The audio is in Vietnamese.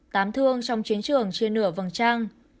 tám thương trong chiến trường chia nửa vòng trăng